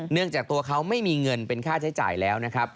จากตัวเขาไม่มีเงินเป็นค่าใช้จ่ายแล้วนะครับ